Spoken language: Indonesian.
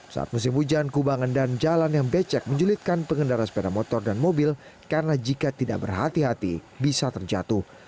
saat musim hujan kubangan dan jalan yang becek menjulitkan pengendara sepeda motor dan mobil karena jika tidak berhati hati bisa terjatuh